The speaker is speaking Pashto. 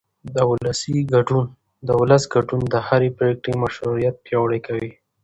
د ولس ګډون د هرې پرېکړې مشروعیت پیاوړی کوي